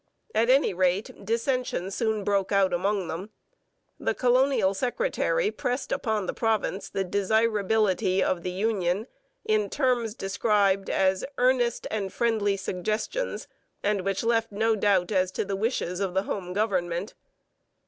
At any rate, dissension soon broke out among them. The colonial secretary pressed upon the province the desirability of the union in terms described as 'earnest and friendly suggestions,' and which left no doubt as to the wishes of the home government.